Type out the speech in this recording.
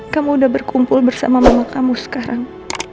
kamu udah berkumpul bersama mama kamu sekarang